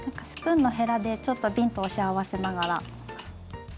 スプーンのへらでちょっとびんと押し合わせながら。